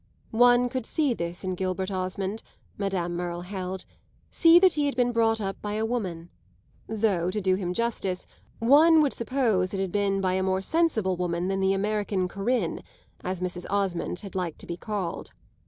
One could see this in Gilbert Osmond, Madame Merle held see that he had been brought up by a woman; though, to do him justice, one would suppose it had been by a more sensible woman than the American Corinne, as Mrs. Osmond had liked to be called.